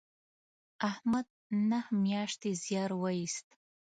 احمد نهه میاشتې زیار و ایست